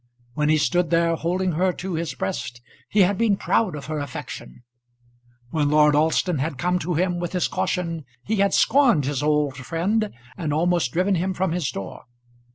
When he stood there holding her to his breast he had been proud of her affection. When Lord Alston had come to him with his caution he had scorned his old friend and almost driven him from his door.